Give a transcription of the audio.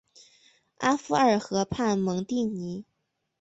阿夫尔河畔蒙蒂尼。